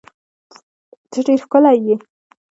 ته ډیر ښکلی یی